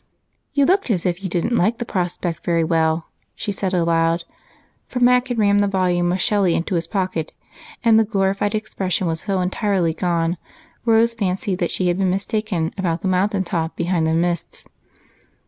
"You look as if you didn't like the prospect very well," she said aloud, for Mac had rammed the volume of Shelley into his pocket and the glorified expression was so entirely gone, Rose fancied she had been mistaken about the mountaintop behind the mists.